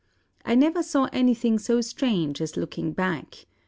I never saw anything so strange as looking back.